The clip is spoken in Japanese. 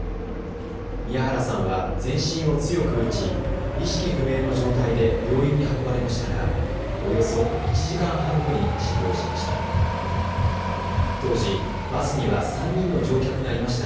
宮原さんは全身を強く打ち、意識不明の状態で病院に運ばれましたがおよそ１時間半後に死亡しました。